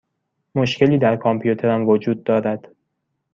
مشکلی در کامپیوترم وجود دارد.